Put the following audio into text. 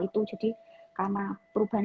itu jadi karena perubahan